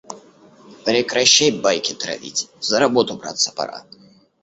Прекращай байки травить, за работу браться пора.